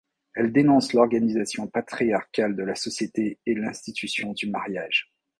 Elle dénonce l'organisation patriarcale de la société et l'institution du mariage.